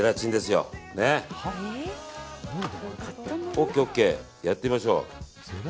ＯＫ、ＯＫやってみましょう。